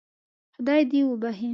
خدای دې وبخښي.